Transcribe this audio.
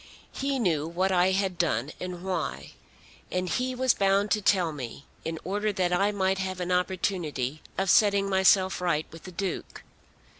He knew what I had done and why, and he was bound to tell me in order that I might have an opportunity of setting myself right with the Duke.